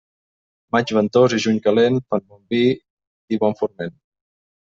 Maig ventós i juny calent fan bon vi i bon forment.